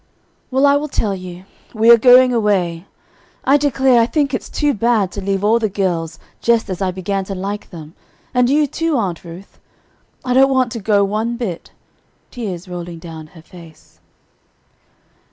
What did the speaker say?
"Well, I will tell you; we are going to move away. I declare, I think it's too bad to leave all the girls just as I began to like them, and you, too, Aunt Ruth. I don't want to go one bit;" tears rolling down her face.